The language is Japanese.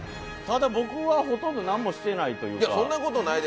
ただ、僕はほとんど何もしてないというか。